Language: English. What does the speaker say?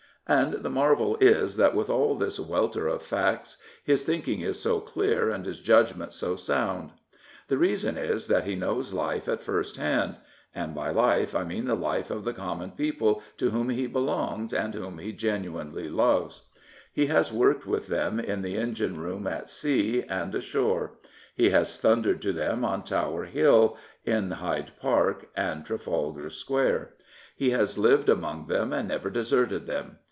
And the marvel is that with all this welter of facts his thinking is so clear and his judgment so sound. The reason is that he knows life at first hand. And by life I mean the life of the common people to whom he belongs and whom he genuinely loves. He has 2gi Prophets, Priests, and Kings worked with them in the engine room at sea and ashore; he has thundered to them on Tower Hill, in Hyde Park, and Trafalgar Square. He has lived among them, and never deserted them.